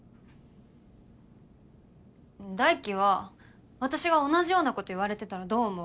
大樹は私が同じようなこと言われてたらどう思う？